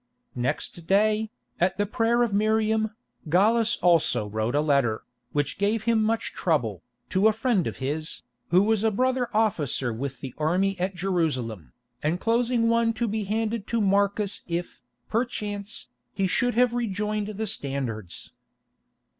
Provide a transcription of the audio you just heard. Next day, at the prayer of Miriam, Gallus also wrote a letter, which gave him much trouble, to a friend of his, who was a brother officer with the army at Jerusalem, enclosing one to be handed to Marcus if, perchance, he should have rejoined the Standards.